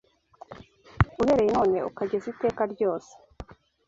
Uhereye none, ukageza iteka ryose